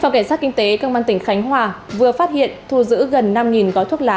phòng cảnh sát kinh tế công an tỉnh khánh hòa vừa phát hiện thu giữ gần năm gói thuốc lá